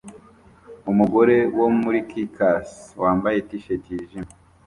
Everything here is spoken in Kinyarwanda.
Umugore wo muri Caucase wambaye t-shati yijimye